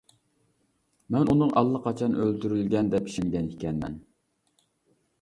مەن ئۇنى ئاللىقاچان ئۆلتۈرۈلگەن دەپ ئىشەنگەن ئىكەنمەن.